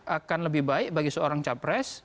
akan lebih baik bagi seorang capres